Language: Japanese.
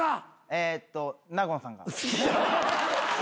えっと納言さんが。